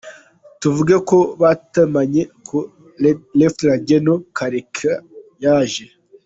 Tuvuge ko batamenye ko Lt Gen Karake yaje?